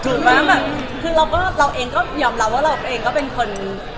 ถูกไหมแบบคือเราก็เราเองก็ยอมรับว่าเราเองก็เป็นคน